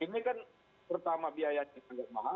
jadi ini kan pertama biayanya terlalu mahal